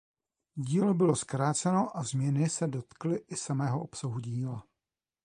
Dílo bylo zkráceno a změny se dotkly i samého obsahu díla.